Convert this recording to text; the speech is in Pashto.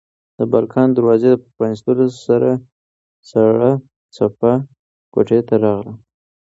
د بالکن د دروازې په پرانیستلو سره سړه څپه کوټې ته راغله.